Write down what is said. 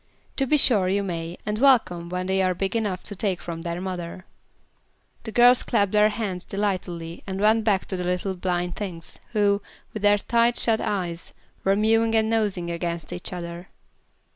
To be sure you may, and welcome, when they are big enough to take from their mother." The girls clapped their hands delightedly and went back to the little blind things, who, with their tight shut eyes, were mewing and nosing against each other.